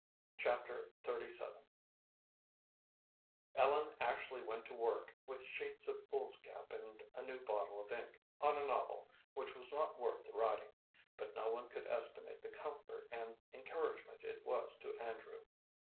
Chapter XXXVII Ellen actually went to work, with sheets of foolscap and a new bottle of ink, on a novel, which was not worth the writing; but no one could estimate the comfort and encouragement it was to Andrew.